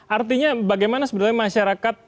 artinya bagaimana sebenarnya masyarakat